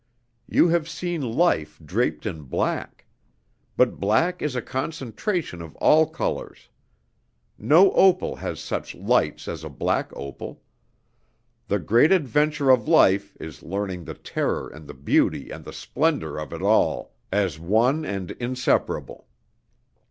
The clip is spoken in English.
You have seen life draped in black. But black is a concentration of all colors. No opal has such lights as a black opal. The great adventure of life is learning the terror and the beauty and the splendor of it all as one and inseparable.